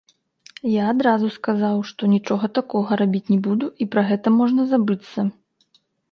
Я адразу сказаў, што нічога такога рабіць не буду і пра гэта можна забыцца.